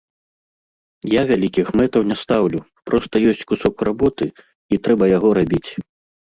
Я вялікіх мэтаў не стаўлю, проста ёсць кусок работы, і трэба яго рабіць.